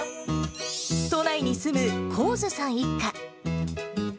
都内に住む幸津さん一家。